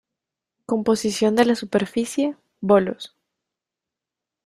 Composición de la superficie: Bolos.